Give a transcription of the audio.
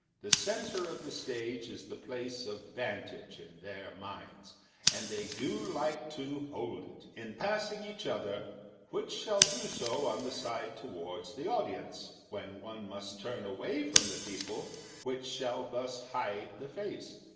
The centre of the stage is the place of van tage in their minds, and they do like to hold it. In passing each other, which shall do so on the side toward the audi ence ? When one must turn away from the people, which shall thus hide the face